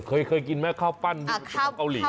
เออเคยกินไหมข้าวปั้นที่เป็นข้าวเกาหลีอ่ะ